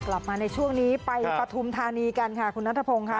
กลับมาในช่วงนี้ไปปฐุมธานีกันค่ะคุณนัทพงศ์ค่ะ